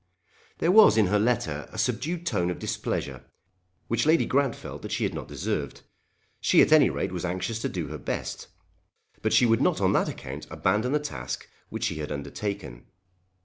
There was in her letter a subdued tone of displeasure, which Lady Grant felt that she had not deserved. She at any rate was anxious to do her best. But she would not on that account abandon the task which she had undertaken.